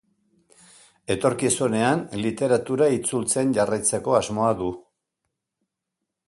Etorkizunean, literatura itzultzen jarraitzeko asmoa du.